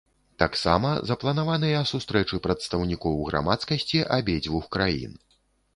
Таксама запланаваныя сустрэчы прадстаўнікоў грамадскасці абедзвюх краін.